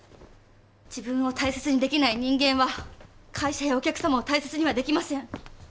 自分を大切にできない人間は会社やお客様を大切にはできません。